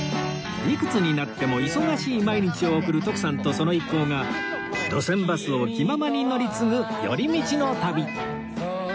いくつになっても忙しい毎日を送る徳さんとその一行が路線バスを気ままに乗り継ぐ寄り道の旅